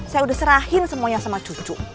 saya udah serahin semuanya sama cucu